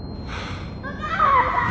お母さん！